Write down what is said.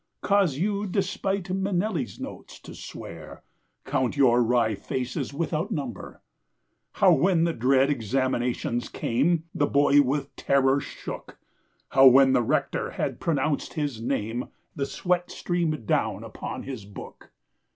Caused you, despite Minelli's notes, to swear, Count your wry faces without number. How, when the dread examinations came, The boy with terror shook! How, when the rector had pronounced his name, The sweat streamed down upon his book!